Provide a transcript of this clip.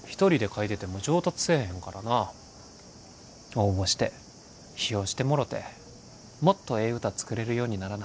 応募して批評してもろてもっとええ歌作れるようにならな。